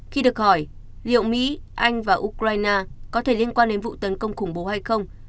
khi được hỏi liệu mỹ anh và ukraine có thể liên quan đến vụ tấn công khủng bố hay không